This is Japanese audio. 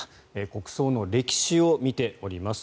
国葬の歴史を見ております。